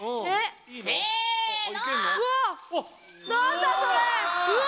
せの。